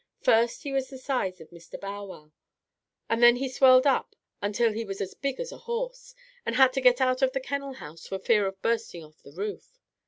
First he was the size of Mr. Bow Wow, and then he swelled up until he was as big as a horse, and had to get out of the kennel house for fear of bursting off the roof.